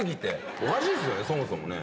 おかしいっすよね、そもそもね。